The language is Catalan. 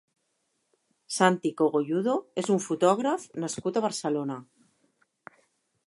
Santi Cogolludo és un fotògraf nascut a Barcelona.